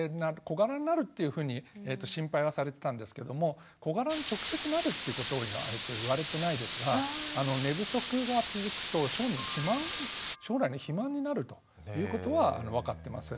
小柄になるというふうに心配はされてたんですけども小柄に直接なるってことは言われてないですが寝不足が続くと小児肥満将来の肥満になるということは分かってます。